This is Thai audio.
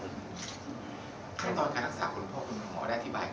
ขั้นตอนการอักษะของพ่อคุณหมอได้อธิบายก่อน